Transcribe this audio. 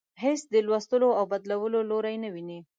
هیڅ د لوستلو او بدلولو لوری نه ويني.